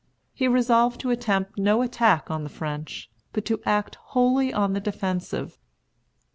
He resolved to attempt no attack on the French, but to act wholly on the defensive.